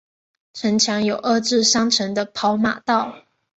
城墙有二至三层的跑马道。